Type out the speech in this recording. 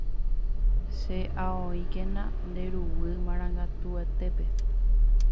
Che'aho'íkena nde ruguy marangatuetépe